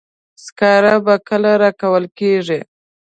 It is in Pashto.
سکاره به کله راکول کیږي.